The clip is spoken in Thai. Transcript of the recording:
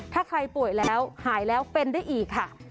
ถ้าใครป่วยแล้วหายแล้วเป็นได้อีกค่ะ